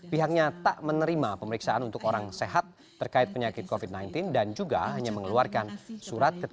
pihaknya tak menerima pemeriksaan untuk orang sehat terkait penyakit covid sembilan belas dan juga hanya mengeluarkan surat keterangan